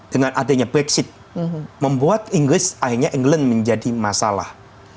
dengan adanya brexit membuat inggris akhirnya england menjadi masalah